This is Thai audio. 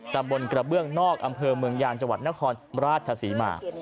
ตามบนกระเบื้องนอกอำเภอเมืองยางจนครราชสีมา